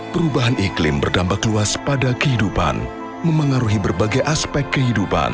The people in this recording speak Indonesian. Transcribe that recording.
perubahan iklim berdampak luas pada kehidupan memengaruhi berbagai aspek kehidupan